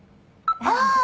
ああ。